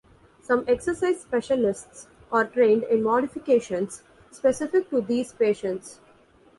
Some exercise specialists are trained in modifications specific to these patients.